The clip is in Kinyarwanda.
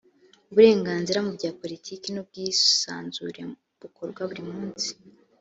uburenganzira mu bya politiki n ‘ubwisanzure bukorwa burimusi.